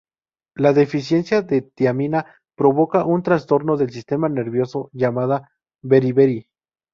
La deficiencia de tiamina provoca un trastorno del sistema nervioso llamada beriberi.